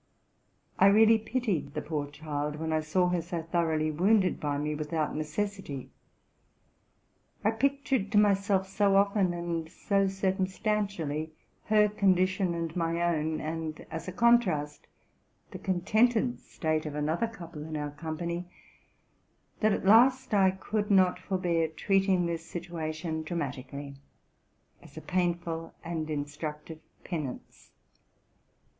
I really pitied the poor child, when I saw her so thoroughly wounded by me, without necessity. I pictured to myself so often and so circumstan tially her condition and my own, and, as a contrast, the con tented state of another couple in our company, that at last I could not forbear treating this situation dramatically, as a painful and instructive penance.